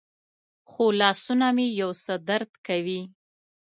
خو لاسونه مې یو څه درد کوي.